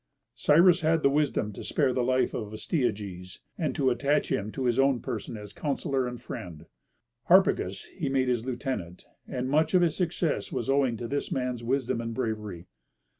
Cyrus had the wisdom to spare the life of Astyages, and to attach him to his person as councillor and friend. Harpagus he made his lieutenant, and much of his success was owing to this man's wisdom and bravery.